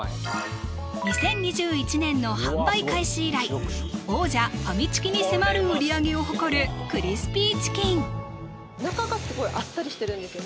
２０２１年の販売開始以来王者・ファミチキに迫る売り上げを誇るクリスピーチキン中がすごいあっさりしてるんですよ